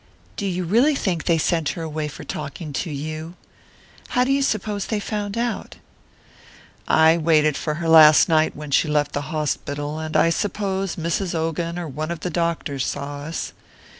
"Do you really think they sent her away for talking to you? How do you suppose they found out?" "I waited for her last night when she left the hospital, and I suppose Mrs. Ogan or one of the doctors saw us.